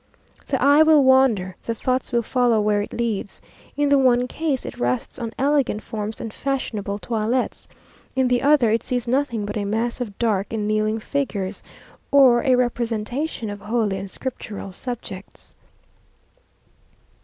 The eye will wander the thoughts will follow where it leads. In the one case it rests on elegant forms and fashionable toilets in the other, it sees nothing but a mass of dark and kneeling figures, or a representation of holy and scriptural subjects.